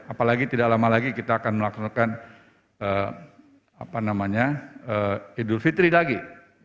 apalagi tidak lama lagi kita akan melaksanakan idul fitri lagi